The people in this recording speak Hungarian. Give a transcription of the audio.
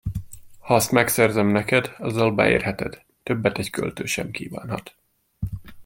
Ha azt megszerzem neked, azzal beérheted, többet egy költő sem kívánhat.